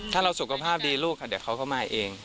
ถ้าเราสุขภาพดีลูกเดี๋ยวเขาก็มาเอง